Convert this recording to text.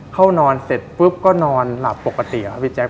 เข้านอนเสร็จปุ๊บก็นอนหลับปกติครับพี่แจ๊